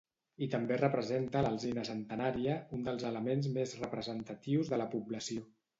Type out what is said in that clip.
I també representa l'alzina centenària, un dels elements més representatius de la població.